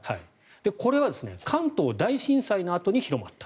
これは関東大震災のあとに広まった。